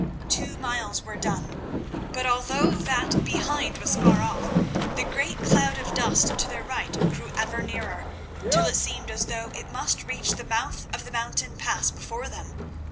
Two miles were done, but although that behind was far off, the great cloud of dust to their right grew ever nearer till it seemed as though it must reach the mouth of the mountain pass before them.